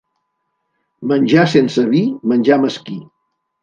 Menjar sense vi, menjar mesquí.